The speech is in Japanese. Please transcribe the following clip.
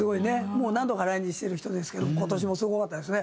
もう何度か来日してる人ですけど今年もすごかったですね。